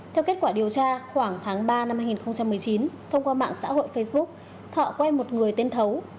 theo kết quả điều tra khoảng tháng ba năm hai nghìn một mươi chín thông qua mạng xã hội facebook thọ quen một người tên thấu